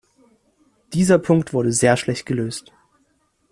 Dieser Punkt wurde sehr schlecht gelöst.